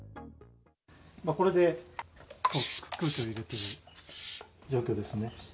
これで空気を入れている状況ですね。